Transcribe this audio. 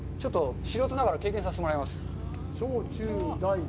ちょっと、素人ながら、経験させてもらいます。